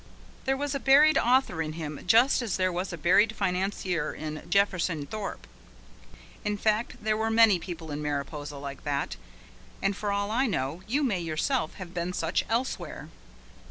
There was a buried author in him just as there was a buried financier in Jefferson Thorpe. In fact, there were many people in Mariposa like that, and for all I know you may yourself have seen such elsewhere.